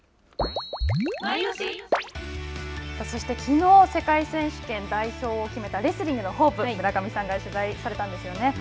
そしてきのう世界選手権代表を決めたレスリングのホープ村上さんが取材されたんですよね。